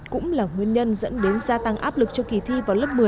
cũng là nguyên nhân dẫn đến gia tăng áp lực cho kỳ thi vào lớp một mươi